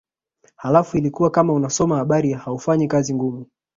Halafu ilikuwa kama unasoma habari haufanyi kazi ngumu